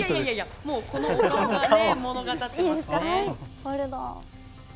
もうこの顔が物語っていますね。